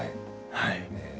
はい。